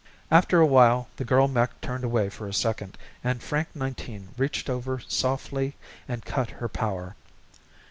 After a while the girl mech turned away for a second and Frank Nineteen reached over softly and cut her power.